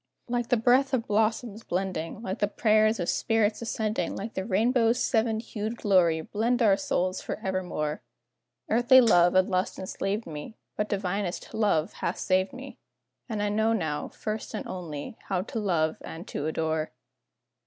Like the breath of blossoms blending, Like the prayers of saints ascending, Like the rainbow's seven hued glory, blend our souls forevermore; Earthly love and lust enslaved me, But divinest love hath saved me, And I know now, first and only, how to love and to adore.